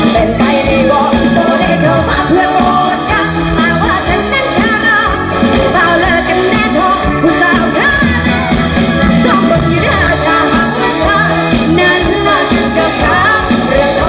ก็ไม่รู้ว่าคนนั้นสิ่งใดว่าเท่านั้นแค่เรา